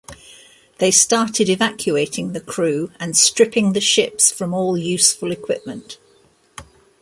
They started evacuating the crew and stripping the ships from all useful equipment.